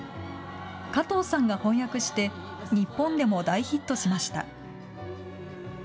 加藤さんが翻訳して日本でも大ヒットしました。